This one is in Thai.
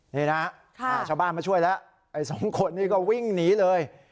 นี่นะชาวบ้านมาช่วยแล้วไอ้สองคนนี้ก็วิ่งหนีเลย